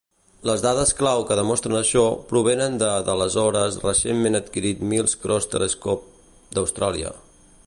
Les dades clau que demostren això provenen de l'aleshores recentment adquirit Mills Cross Telescope d'Austràlia.